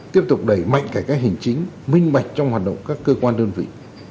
tiếp tục đẩy mạnh cả các hình chính minh mạch trong hoạt động các cơ quan đơn vị